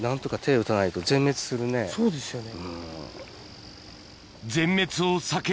そうですよね。